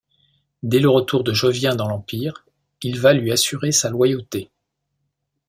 Dès le retour de Jovien dans l'Empire, il va lui assurer sa loyauté.